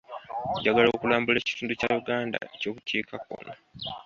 Njagala okulambuula ekitundu kya Uganda eky'obukiikakkono.